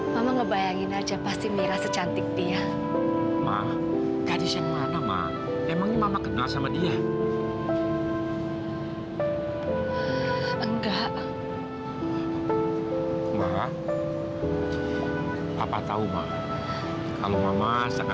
mbak datang nih mbak